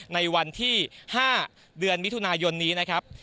ในวันที่๕เดือนมิถุนายนนี้นะครับ